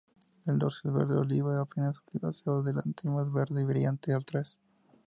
El dorso es verde oliva, apenas oliváceo adelante y más verde y brillante atrás.